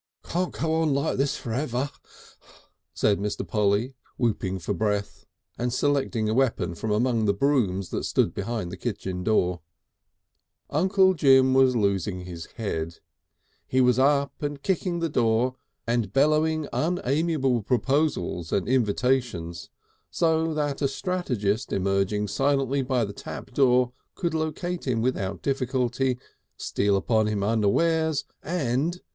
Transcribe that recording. "Can't go on like this for ever," said Mr. Polly, whooping for breath, and selecting a weapon from among the brooms that stood behind the kitchen door. Uncle Jim was losing his head. He was up and kicking the door and bellowing unamiable proposals and invitations, so that a strategist emerging silently by the tap door could locate him without difficulty, steal upon him unawares and